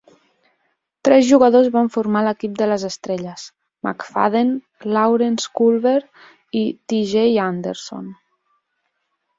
Tres jugadors van formar l'equip de les estrelles: McFadden, Lawrence Culver i TeJay Anderson.